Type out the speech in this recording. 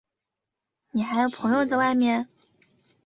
你还有朋友在外面？